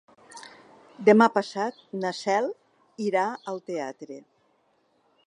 Demà passat na Cel irà al teatre.